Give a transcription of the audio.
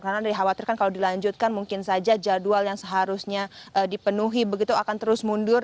karena dikhawatirkan kalau dilanjutkan mungkin saja jadwal yang seharusnya dipenuhi begitu akan terus mundur